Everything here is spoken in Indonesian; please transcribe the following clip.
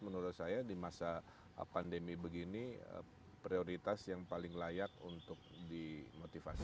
menurut saya di masa pandemi begini prioritas yang paling layak untuk dimotivasi